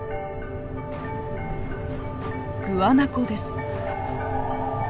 グアナコです。